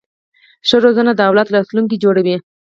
ښه روزنه د اولاد راتلونکی جوړوي.